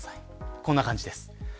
こんな感じです。